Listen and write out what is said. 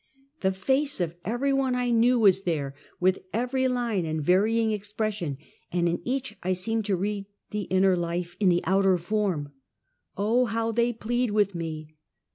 The face of every one I knew was there, with every line and varying expression, and in each I seemed to read the inner life in the outer form. Oh, how they plead with me!